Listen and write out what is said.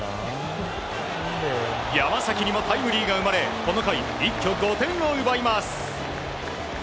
山崎にもタイムリーが生まれこの回、一挙５点を奪います。